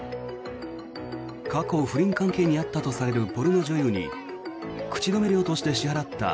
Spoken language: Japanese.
過去、不倫関係にあったとされるポルノ女優に口止め料として支払った